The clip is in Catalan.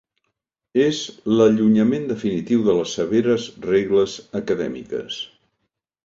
És l'allunyament definitiu de les severes regles acadèmiques.